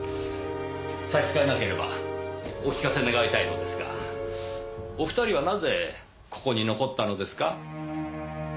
差し支えなければお聞かせ願いたいのですがお二人はなぜここに残ったのですか？